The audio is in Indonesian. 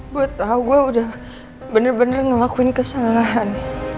gue tahu gue udah bener bener ngelakuin kesalahan